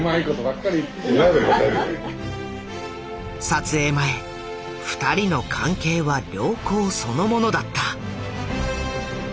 撮影前二人の関係は良好そのものだった。